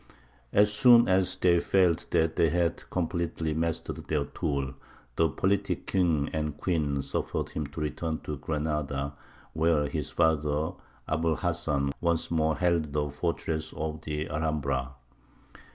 As soon as they felt that they had completely mastered their tool, the politic king and queen suffered him to return to Granada, where his father, Abu l Hasan, once more held the fortress of the Alhambra.